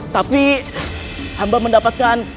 tapi hamba mendapatkan